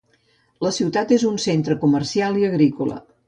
La ciutat és un centre comercial i agrícola.